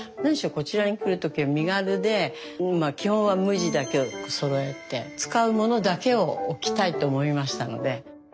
こちらに来る時は身軽で基本は無地だけをそろえて使うものだけを置きたいと思いましたので。